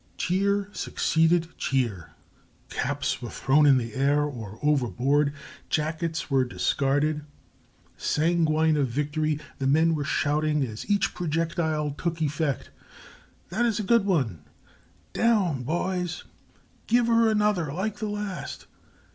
Cheer succeeded cheer; caps were thrown in the air or overboard; jackets were discarded; sanguine of victory, the men were shouting as each projectile took effect: "That is a good one!" "Down, boys!" "Give her another like the last!"